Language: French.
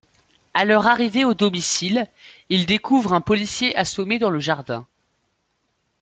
À leur arrivée au domicile, ils découvrent un policier assommé dans le jardin.